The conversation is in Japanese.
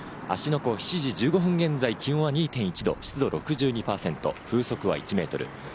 湖は７時１５分現在、気温は２．１度、湿度６２％、風速は１メートル。